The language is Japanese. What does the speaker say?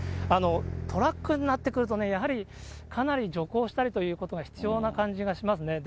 トラックになってくるとね、やはりかなり徐行したりということが必要な感じがしますね。